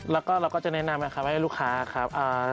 แล้วเราจะแนะนำนะครับให้ลูกค้า